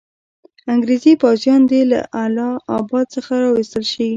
انګریزي پوځیان دي له اله اباد څخه را وایستل شي.